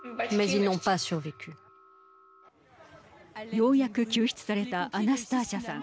ようやく救出されたアナスターシャさん。